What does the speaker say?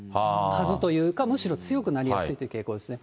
数というか、むしろ強くなりやすいという傾向ですね。